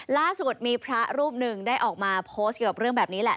ล่าสุดมีพระรูปหนึ่งได้ออกมาโพสต์เกี่ยวกับเรื่องแบบนี้แหละ